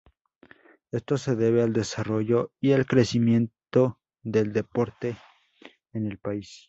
Ésto se debe al desarrollo y el crecimiento del deporte en el país.